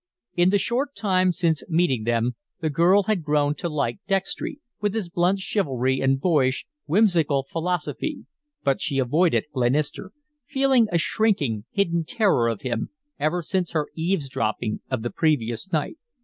In the short time since meeting them, the girl had grown to like Dextry, with his blunt chivalry and boyish, whimsical philosophy, but she avoided Glenister, feeling a shrinking, hidden terror of him, ever since her eavesdropping of the previous night.